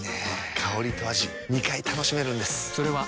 香りと味２回楽しめるんです。